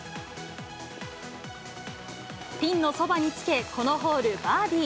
ピンのそばにつけ、このホール、バーディー。